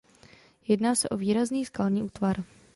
Jedná se o výrazný skalní útvar.